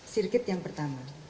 sirkit yang pertama